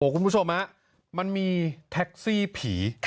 คุณผู้ชมมันมีแท็กซี่ผี